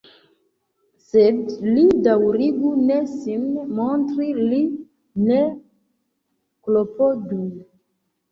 Sed li daŭrigu ne sin montri, li ne klopodu.